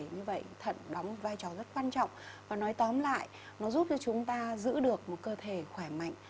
như vậy thật đóng một vai trò rất quan trọng và nói tóm lại nó giúp cho chúng ta giữ được một cơ thể khỏe mạnh